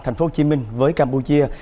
thành phố hồ chí minh với campuchia